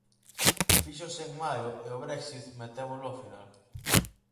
Fíxose en maio e o Brexit metémolo ao final.